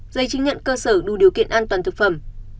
giấy chứng nhận cơ sở đủ điều kiện an toàn thực phẩm